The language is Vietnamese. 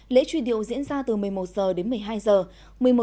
lễ truy điệu diễn ra từ một mươi một h đến một mươi hai giờ